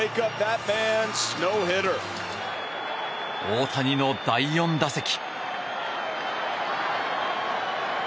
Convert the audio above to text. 大谷の第４打席。